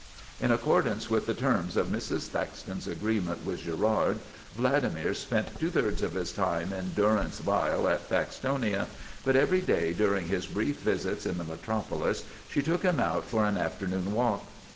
In accordance with the terms of Mrs. Thaxton's agreement with Girard, Vladimir spent two thirds of his time in durance vile at Thaxtonia, but every day during his brief visits in the metropolis she took him out for an afternoon walk.